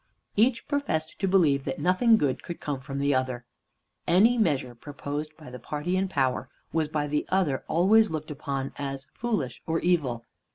Each professed to believe that nothing good could come from the other. Any measure proposed by the party in power was by the other always looked upon as foolish or evil.